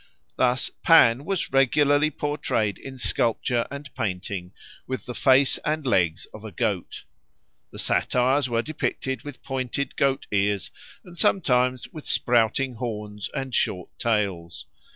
Thus, Pan was regularly portrayed in sculpture and painting with the face and legs of a goat. The Satyrs were depicted with pointed goat ears, and sometimes with sprouting horns and short tails.